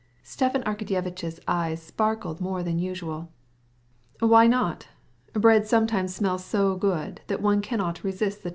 Stepan Arkadyevitch's eyes sparkled more than usual. "Why not? A roll will sometimes smell so good one can't resist it."